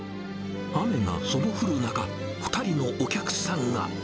雨がそぼ降る中、２人のお客さんが。